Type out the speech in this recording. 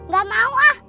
gak mau ah